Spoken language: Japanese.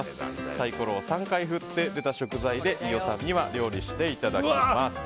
サイコロを３回振って出た食材で飯尾さんには料理していただきます。